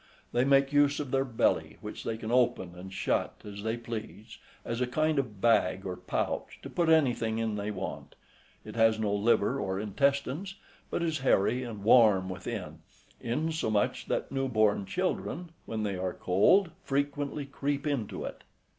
They make use of their belly, which they can open and shut as they please, as a kind of bag, or pouch, to put anything in they want; it has no liver or intestines, but is hairy and warm within, insomuch, that new born children, when they are cold, frequently creep into it.